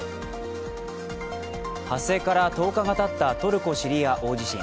発生から１０日がたったトルコ・シリア大地震。